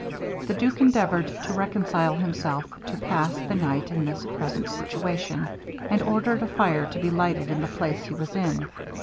The duke endeavoured to reconcile himself to pass the night in his present situation, and ordered a fire to be lighted in the place he was in.